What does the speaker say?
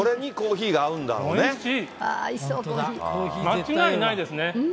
間違いないですね。